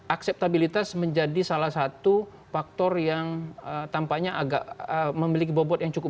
akseptabilitas menjadi salah satu faktor yang tampaknya agak memiliki bobot yang cukup